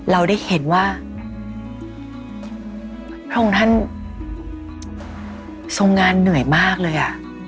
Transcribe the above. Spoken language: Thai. เราได้เห็นว่าพระองค์ท่านทรงงานเหนื่อยมากเลย